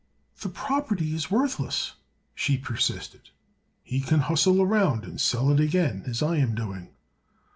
"The property is worthless," she persisted. "He can hustle around and sell it again, as I am doing."